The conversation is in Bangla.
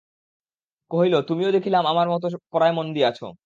কহিল, তুমিও দেখিলাম আমার মতো পড়ায় মন দিয়াছ।